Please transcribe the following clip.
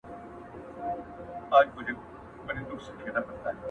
ستا له نسیم سره به الوزمه،